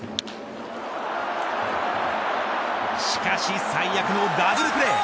しかし最悪のダブルプレー。